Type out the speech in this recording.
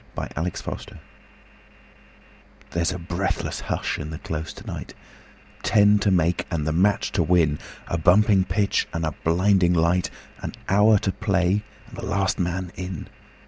Vitaï Lampada There's a breathless hush in the Close to night Ten to make and the match to win A bumping pitch and a blinding light, An hour to play and the last man in.